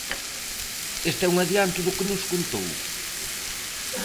Este é un adianto do que nos contou.